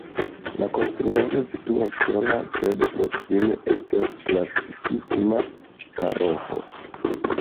La konstruaĵo situas sola, sed proksime estas klasikisma paroĥo.